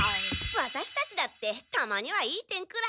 ワタシたちだってたまにはいい点くらい。